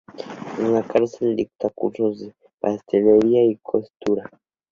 En la cárcel dicta cursos de pastelería y costura.